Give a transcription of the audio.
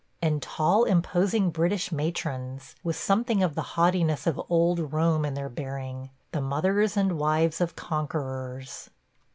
And tall, imposing British matrons, with something of the haughtiness of old Rome in their bearing – the mothers and wives of conquerors.